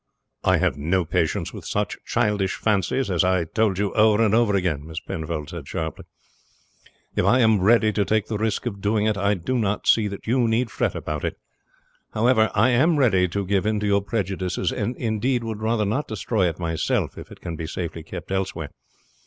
"I have no patience with such childish fancies, as I told you over and over again," Miss Penfold said sharply. "If I am ready to take the risk of doing it, I do not see that you need fret about it. However, I am ready to give in to your prejudices, and indeed would rather not destroy it myself if it can be safely kept elsewhere.